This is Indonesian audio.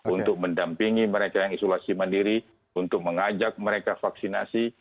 untuk mendampingi mereka yang isolasi mandiri untuk mengajak mereka vaksinasi